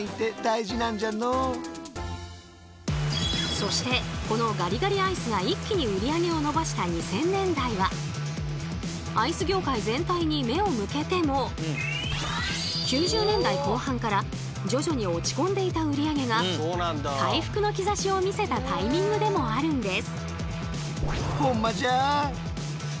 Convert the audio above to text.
そしてこのガリガリアイスが一気に売り上げを伸ばした２０００年代はアイス業界全体に目を向けても９０年代後半から徐々に落ち込んでいた売り上げが回復の兆しを見せたタイミングでもあるんです！